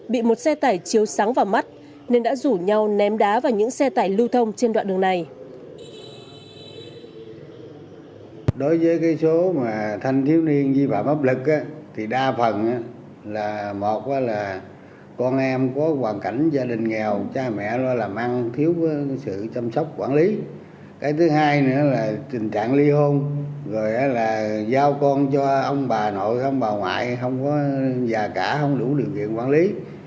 bị một xe tải chiếu sáng vào mắt nên đã rủ nhau ném đá vào những xe tải lưu thông trên đoạn đường này